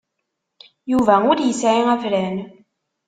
Yuba ur yesɛi afran.